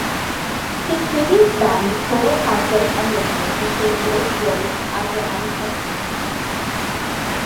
His previous band, Total Concept Unlimited, became Rose Royce after adding a female singer.